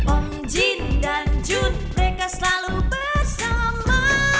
om jin dan jun mereka selalu bersama